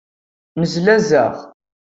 Nnezlazeɣ.